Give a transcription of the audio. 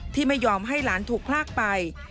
ที่ไม่ยอมให้หลานถูกพลากไป